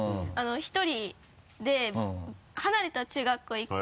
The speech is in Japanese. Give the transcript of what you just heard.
１人で離れた中学校行く。